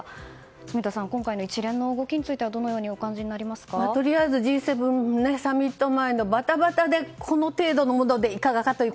住田さん、今回の一連の動きについてはＧ７サミット前のバタバタでこの程度のことでいかがかと。